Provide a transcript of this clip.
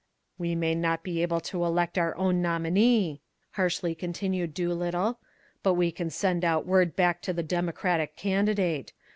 "We may not be able to elect our own nominee," harshly continued Doolittle, "but we kin send out word to back the Democratic candidate.